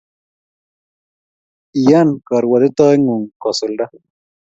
Iyan karuatitoet ngung kosulda